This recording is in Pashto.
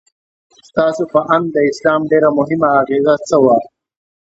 ستاسو په اند د اسلام ډېره مهمه اغیزه څه وه؟